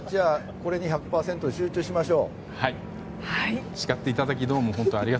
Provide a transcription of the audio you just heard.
これに１００％集中しましょう。